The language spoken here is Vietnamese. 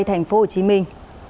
xin chào các bạn